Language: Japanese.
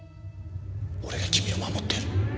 俺が君を守ってやる。